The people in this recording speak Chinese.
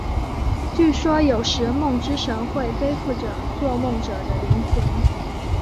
据说有时梦之神会背负着做梦者的灵魂。